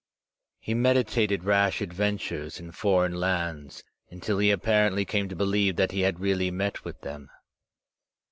He medi tated rash adventures in foreign lands until he apparently came to believe that he had really met with them.